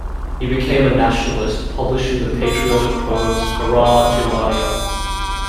He became a nationalist, publishing the patriotic poems Hurrah, Germania!